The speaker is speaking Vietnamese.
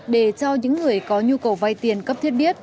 để cho những người có nhu cầu vay tiền cấp thiết biết